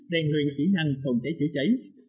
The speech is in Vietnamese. rèn luyện kỹ năng phòng cháy chữa cháy